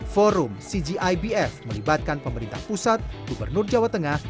forum cgibf melibatkan pemerintah pusat gubernur jawa tengah